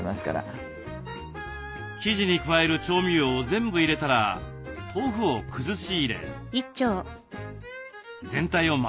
生地に加える調味料を全部入れたら豆腐を崩し入れ全体を混ぜ合わせます。